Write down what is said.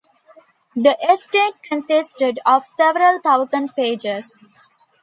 The estate consisted of several thousand pages.